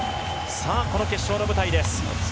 この決勝の舞台です。